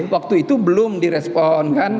waktu itu belum direspon kan